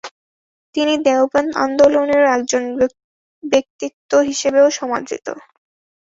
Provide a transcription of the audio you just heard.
তিনি দেওবন্দ আন্দোলনের একজন ব্যক্তিত্ব হিসেবেও সমাদৃত।